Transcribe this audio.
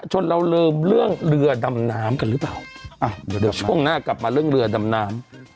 เราลืมเรื่องเรือดำน้ำกันหรือเปล่าอ่ะเดี๋ยวเดี๋ยวช่วงหน้ากลับมาเรื่องเรือดำน้ำ